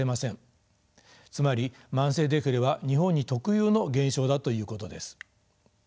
つまり慢性デフレは日本に特有の現象だということです。